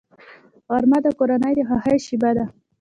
غرمه د کورنۍ د خوښۍ شیبه ده